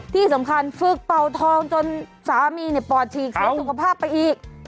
ที่สำคัญฝึกเป่าทองจนสามีปอดฉีกเสียสุขภาพไปอีก